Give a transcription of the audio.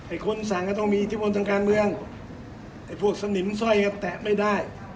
ไอ้คนสั่งก็ต้องมีที่วนสังการเมืองไอ้พวกสนิ้มส่อยก็แตะไม่ได้